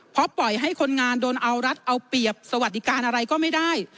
เพราะปล่อยให้คนงานโดนเอารัฐเอาเปรียบสวัสดิการอะไรก็ไม่ได้